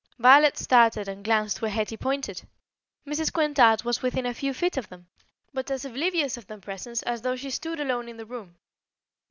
Violet started and glanced where Hetty pointed. Mrs. Quintard was within a few feet of them, but as oblivious of their presence as though she stood alone in the room.